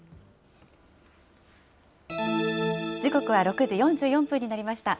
時刻は６時４４分になりました。